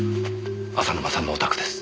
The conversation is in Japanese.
浅沼さんのお宅です。